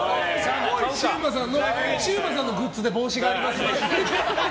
シウマさんのグッズで帽子がありますので。